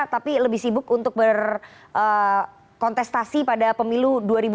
tapi lebih sibuk untuk berkontestasi pada pemilu dua ribu dua puluh